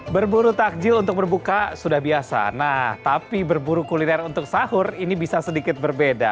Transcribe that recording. berburu takjil untuk berbuka sudah biasa nah tapi berburu kuliner untuk sahur ini bisa sedikit berbeda